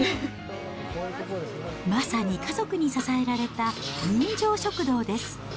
まさに家族に支えられた、人情食堂です。